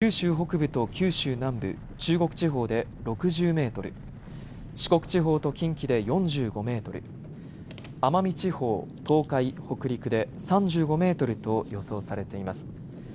風速は九州北部と九州南部、中国地方で６０メートル、四国地方と近畿で４５メートル、奄美地方、東海、北陸で３５メートルと予想されています。